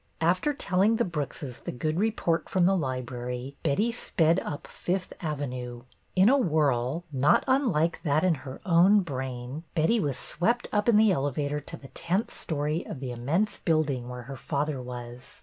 After telling the Brookses the good report from the library, Betty sped up Fifth Avenue. In a whirl — not unlike that in her own brain — Betty was swept up in the elevator to the tenth story of the immense building where her father was.